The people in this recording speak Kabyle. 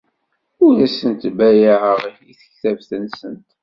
Ur as-ttbayaɛeɣ i tekbabt-nsent.